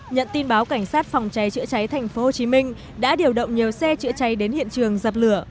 nhận tin báo cảnh sát phòng cháy chữa cháy thành phố hồ chí minh đã điều động nhiều xe chữa cháy đến hiện trường dập lửa